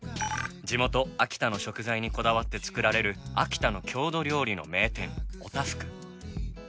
地元秋田の食材にこだわって作られる秋田の郷土料理の名店お多福。